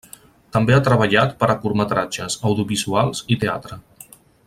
També ha treballat per a curtmetratges, audiovisuals i teatre.